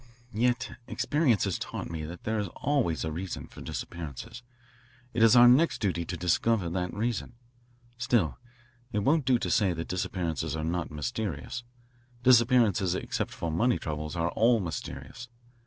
"Yet experience has taught me that there is always a reason for disappearances. It is our next duty to discover that reason. Still, it won't do to say that disappearances are not mysterious. Disappearances except for money troubles are all mysterious.